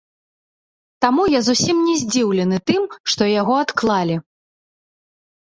Таму я зусім не здзіўлены тым, што яго адклалі.